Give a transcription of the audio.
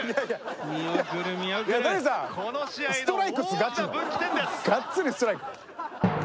がっつりストライク。